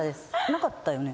なかったよね？